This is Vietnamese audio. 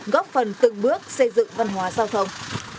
góp phần từng bước xây dựng văn hóa giao thông